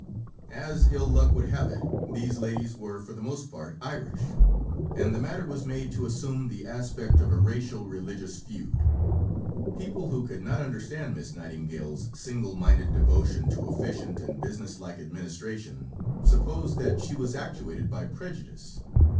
As ill luck would have it, these ladies were for the most part Irish, and the matter was made to assume the aspect of a racial religious feud. People who could not understand Miss Nightingale's single minded devotion to efficient and business like administration supposed that she was actuated by prejudice.